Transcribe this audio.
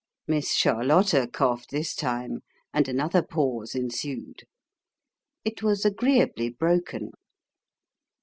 Miss Charlotta coughed this time, and another pause ensued. It was agreeably broken.